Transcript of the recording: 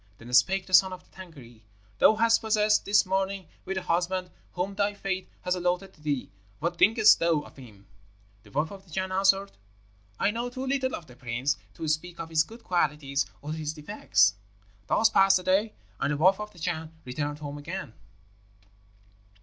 Then spake the son of the Tângâri, 'Thou hast passed this morning with the husband whom thy fate has allotted to thee. What thinkest thou of him?' The wife of the Chan answered, 'I know too little of the prince to speak of his good qualities or his defects.' Thus passed the day, and the wife of the Chan returned home again.